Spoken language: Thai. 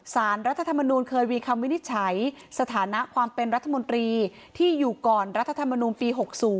สารรัฐธรรมนูลเคยมีคำวินิจฉัยสถานะความเป็นรัฐมนตรีที่อยู่ก่อนรัฐธรรมนูลปี๖๐